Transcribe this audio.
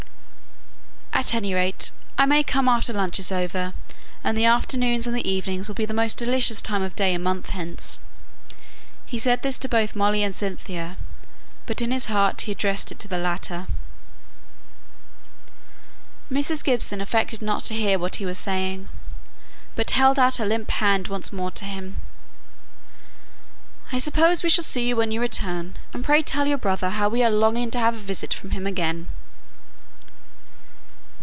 "At any rate, I may come after lunch is over, and the afternoons and evenings will be the most delicious time of day a month hence." He said this to both Molly and Cynthia, but in his heart he addressed it to the latter. Mrs. Gibson affected not to hear what he was saying, but held out her limp hand once more to him. "I suppose we shall see you when you return; and pray tell your brother how we are longing to have a visit from him again."